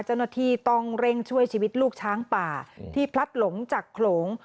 เจ้าหน้าที่ต้องเร่งช่วยชีวิตลูกช้างป่าที่พลัดหลงจากโขลง